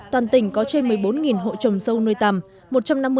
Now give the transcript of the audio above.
toàn tỉnh có trên một mươi bốn hộ trồng dâu nuôi tầm